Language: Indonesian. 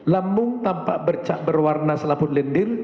lambung tampak bercak berwarna selaput lendil